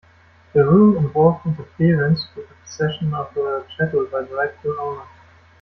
The rule involved interference with the possession of a chattel by the rightful owner.